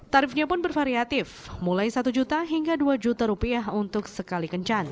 tarifnya pun bervariatif mulai satu juta hingga dua juta rupiah untuk sekali kencan